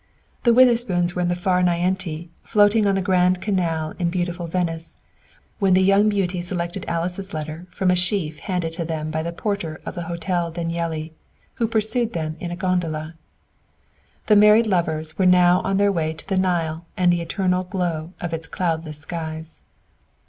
The Witherspoons were in the far niente, floating on the Grand Canal in beautiful Venice, while the young beauty selected Alice's letter from a sheaf handed to them by the porter of the Hotel Danieli, who pursued them in a gondola. The married lovers were now on their way to the Nile and the eternal glow of its cloudless skies.